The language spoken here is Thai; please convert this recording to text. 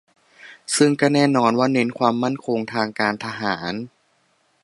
ซึ่งก็แน่นอนว่าเน้นความมั่นคงทางการทหาร